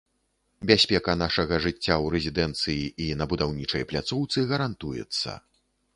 Бяспека нашага жыцця ў рэзідэнцыі і на будаўнічай пляцоўцы гарантуецца.